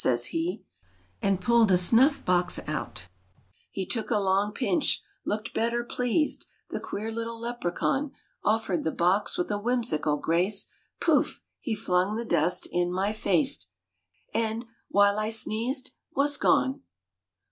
' says he, And pull'd a snuff box out. RAINBOW GOLD He took a long pinch, look'd better pleased, The queer little Lepracaun; Offer'd the box with a whimsical grace, Pouf ! he flung the dust in my face, And, while I sneezed, Was gone!